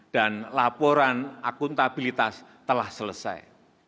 dan laporan akuntabilitas telah selesai